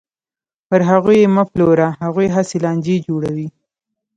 پر هغوی یې مه پلوره، هغوی هسې لانجې جوړوي.